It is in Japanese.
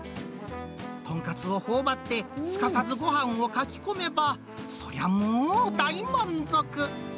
豚カツをほおばって、すかさずごはんをかき込めば、そりゃもう大満足。